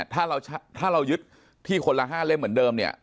ถ้าเรายึดที่คนละ๕เล่มเหมือนเดิมเนี่ย